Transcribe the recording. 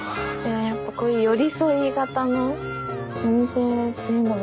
やっぱこういう寄り添い型のお店。